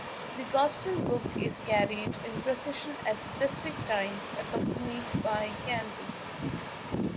The Gospel Book is carried in procession at specific times, accompanied by candles.